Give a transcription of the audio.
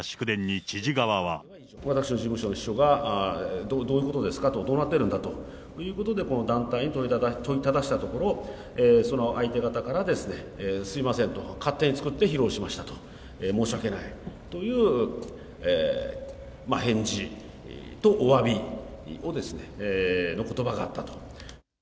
私の事務所の秘書が、どういうことですかと、どうなってるんだということで、この団体に問いただしたところ、その相手方からすみませんと、勝手に作って披露しましたと、申し訳ないという返事とおわびのことばがあったと。